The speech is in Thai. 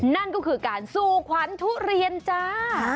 นั่นก็คือการสู่ขวัญทุเรียนจ้า